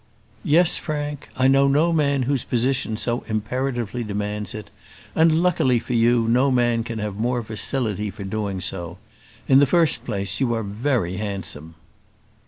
"Yes, Frank. I know no man whose position so imperatively demands it; and luckily for you, no man can have more facility for doing so. In the first place you are very handsome."